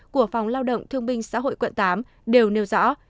của phòng lao động thương binh xã hội quận tám đều nêu rõ